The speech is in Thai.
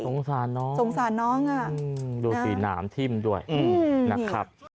สงสารน้องดูสีหนามทิ้มด้วยนะครับสงสารน้อง